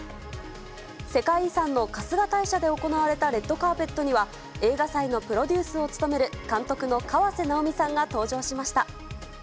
世界遺産の春日大社で行われたレッドカーペットには映画祭のプロデュースを務める監督の河瀬直美さんが登場しました。